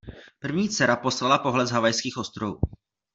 První dcera poslala pohled z Havajských ostrovů.